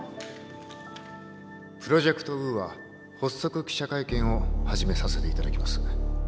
プロジェクト・ウーア発足記者会見を始めさせていただきます。